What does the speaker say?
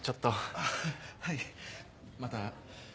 あっはいまた。